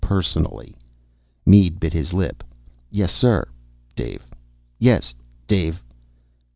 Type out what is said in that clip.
Personally." Mead bit his lip. "Yes, sir." "Dave." "Yes ... Dave."